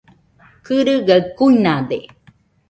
Kɨrɨgaɨ kuinade.